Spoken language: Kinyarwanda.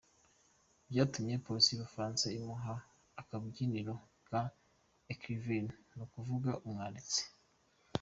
Byatumye polisi y'Ubufaransa imuha akabyiniriro ka "L'Écrivain" - ni ukuvuga "Umwanditsi.